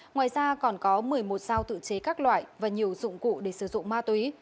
ngoài ra còn có một mươi một sao tự chế các loại và nhiều dụng cụ để sử dụng ma túy